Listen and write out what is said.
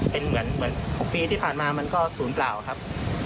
เป็นเหมือน๖ปีที่ผ่านมามันก็ศูนย์เปล่าครับ